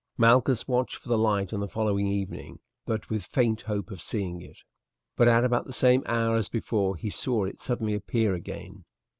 Malchus watched for the light on the following evening with but faint hope of seeing it, but at about the same hour as before he saw it suddenly appear again.